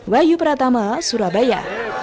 wayu pratama surabaya